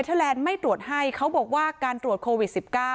เธอแลนด์ไม่ตรวจให้เขาบอกว่าการตรวจโควิด๑๙